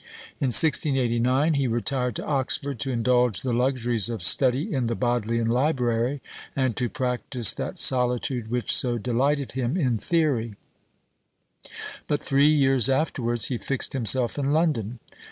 In 1689, he retired to Oxford, to indulge the luxuries of study in the Bodleian Library, and to practise that solitude which so delighted him in theory; but three years afterwards he fixed himself in London.